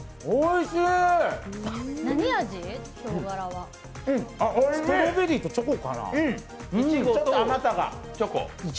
おいしい！